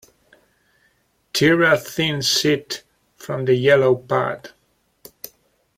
Tear a thin sheet from the yellow pad.